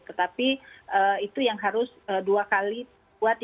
tetapi itu yang harus dua kalimat